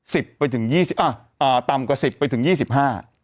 ไปถึงยี่สิบอ่าอ่าต่ำกว่าสิบไปถึงยี่สิบห้า